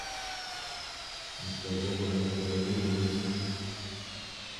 Mseghoghomekee milungu.